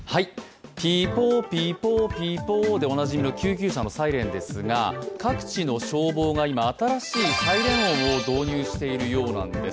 ピーポーピーポーピーポーでおなじみの救急車のサイレンですが、各地の消防が今、新しいサイレン音を導入しているようなんです